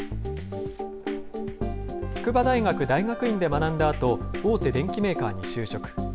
筑波大学大学院で学んだあと、大手電機メーカーに就職。